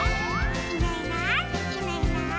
「いないいないいないいない」